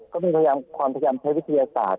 ก็ต้องพยายามมีความทำพยายามใช้วิทยาศาสตร์